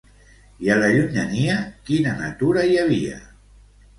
I a la llunyania, quina natura hi havia?